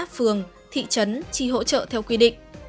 phường thị trấn chỉ hỗ trợ theo quy định